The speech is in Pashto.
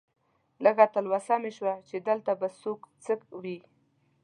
لږه تلوسه مې شوه چې دلته به اوس څه وي.